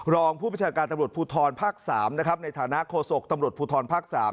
รองผู้ประชาการตำรวจภูทรภาค๓นะครับในฐานะโฆษกตำรวจภูทรภาค๓